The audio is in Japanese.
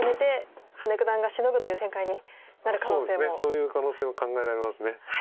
そういう可能性も考えられます。